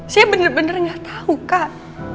saya bener bener gak tau kak